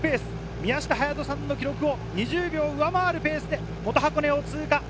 宮下隼人さんのペースを２０秒上回るペースで元箱根を通過。